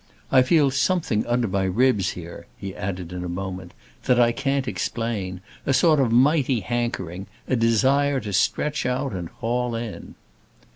I feel something under my ribs here," he added in a moment, "that I can't explain—a sort of a mighty hankering, a desire to stretch out and haul in."